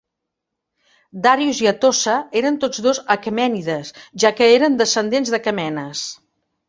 Darius i Atossa eren tots dos aquemènides, ja que eren descendents d'Aquemenes.